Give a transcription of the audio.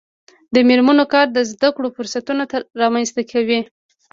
د میرمنو کار د زدکړو فرصتونه رامنځته کوي.